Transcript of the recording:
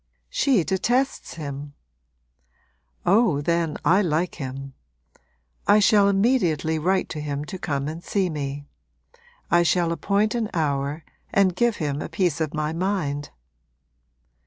'She detests him.' 'Oh, then, I like him! I shall immediately write to him to come and see me: I shall appoint an hour and give him a piece of my mind.'